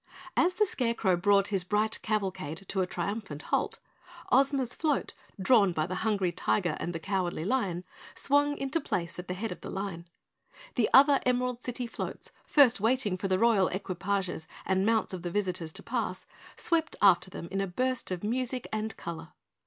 As the Scarecrow brought his bright cavalcade to a triumphant halt, Ozma's float, drawn by the Hungry Tiger and the Cowardly Lion, swung into place at the head of the line. The other Emerald City Floats, first waiting for the Royal Equipages and mounts of the visitors to pass, swept after them in a burst of music and color.